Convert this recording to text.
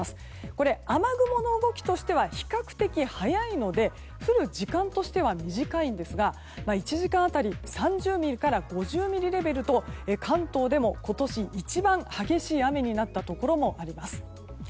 これ、雨雲の動きとしては比較的速いので降る時間としては短いんですが１時間当たり３０ミリから５０ミリレベルと関東でも今年一番激しい雨になったところもあります。